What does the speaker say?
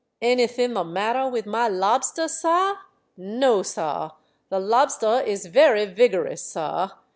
"Anything the matter with my lobster, sah? No, sah. The lobster is very vigorous, sah.